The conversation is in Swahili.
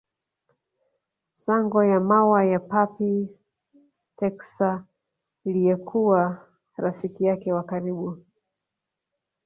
Sango ya mawa ya Papy Texaliyekuwa rafiki yake wa karibu